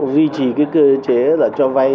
duy trì cái cơ chế là cho vay